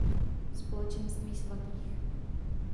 společenství svatých